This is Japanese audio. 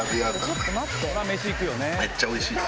めっちゃおいしい。